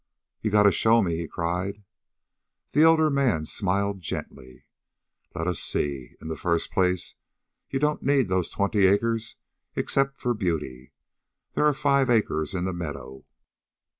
"You gotta show me!" he cried. The elder man smiled gently. "Let us see. In the first place, you don't need those twenty acres except for beauty. There are five acres in the meadow.